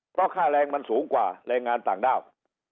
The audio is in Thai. เพราะค่าแรงมันสูงกว่าแรงงานต่างด้าว